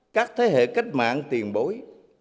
các thế hệ cách mạng tiền bối